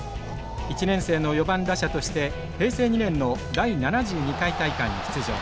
１年生の４番打者として平成２年の第７２回大会に出場。